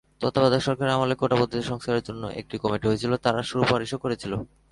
তত্ত্বাবধায়ক সরকারের আমলে কোটাপদ্ধতি সংস্কারের জন্য একটি কমিটি হয়েছিল, তারা সুপারিশও করেছিল।